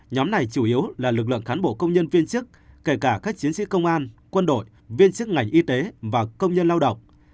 nhóm này chủ yếu là lực lượng cán bộ công nhân viên chức kể cả các chiến sĩ công an quân đội viên chức ngành y tế và công nhân lao động